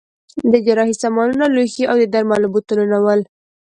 د جراحۍ سامانونه، لوښي او د درملو بوتلونه ول.